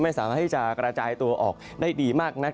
ไม่สามารถที่จะกระจายตัวออกได้ดีมากนัก